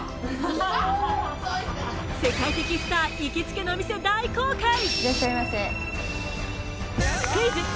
世界的スター行きつけの店大公開！